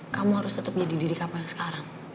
kamu harus tetep jadi diri kamu yang sekarang